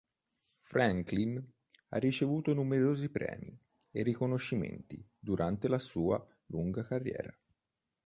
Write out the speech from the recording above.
Franklin ha ricevuto numerosi premi e riconoscimenti durante la sua lunga carriera.